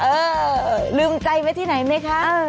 เออลืมใจไว้ที่ไหนไหมคะ